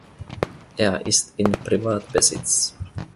Er ist in Privatbesitz.